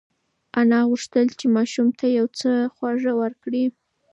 انا غوښتل چې ماشوم ته یو څه خواږه ورکړي.